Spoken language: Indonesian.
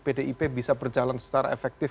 pdip bisa berjalan secara efektif